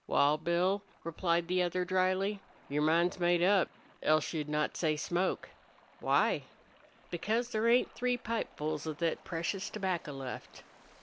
"Wal, Bill," replied the other, dryly, "your mind's made up, else you'd not say smoke." "Why?" "Because there ain't three pipefuls of thet precious tobacco left."